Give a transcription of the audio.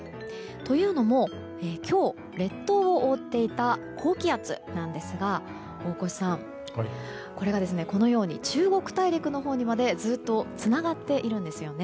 というのも今日、列島を覆っていた高気圧なんですが大越さん、これがこのように中国大陸のほうにまでずっとつながっているんです。